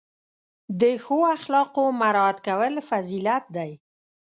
د ښو اخلاقو مراعت کول فضیلت دی.